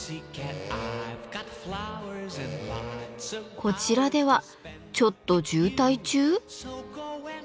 こちらではちょっと渋滞中？